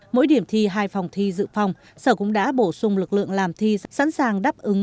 mỗi điểm thi hai phòng thi dự phòng sở cũng đã bổ sung lực lượng làm thi sẵn sàng đáp ứng